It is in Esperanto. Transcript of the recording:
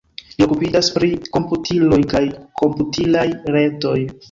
Li okupiĝas pri komputiloj kaj komputilaj retoj.